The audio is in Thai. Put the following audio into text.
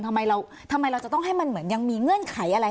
ทำไมเราจะต้องให้มันเหมือนยังมีเงื่อนไขอะไร